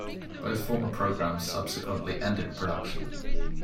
Both former programs subsequently ended production.